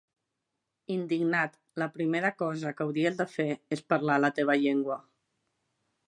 Indignat la primera cosa que hauries de fer és parlar la teva llengua.